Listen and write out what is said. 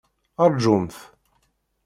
Rǧumt!